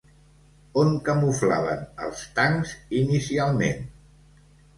On camuflaven els tancs inicialment?